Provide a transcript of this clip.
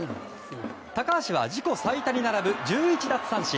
高橋は自己最多に並ぶ１１奪三振。